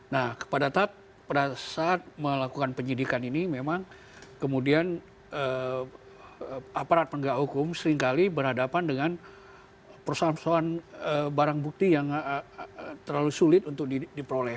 nah pada saat melakukan penyidikan ini memang kemudian aparat penegak hukum seringkali berhadapan dengan perusahaan perusahaan barang bukti yang terlalu sulit untuk diperoleh